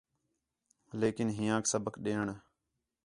لیکن ہیانک سبق ݙیݨ